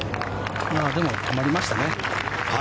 でも止まりましたね。